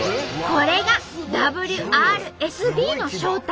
これがＷＲＳＢの正体